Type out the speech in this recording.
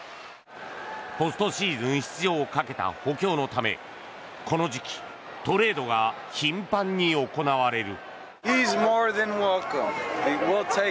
ポストシーズン出場をかけた補強のためこの時期トレードが頻繁に行われる。